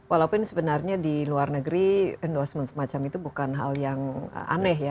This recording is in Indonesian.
walaupun sebenarnya di luar negeri endorsement semacam itu bukan hal yang aneh ya